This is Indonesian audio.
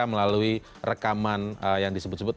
melalui rekaman yang disebut sebut